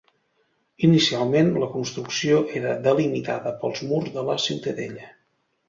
Inicialment, la construcció era delimitada pels murs de la ciutadella.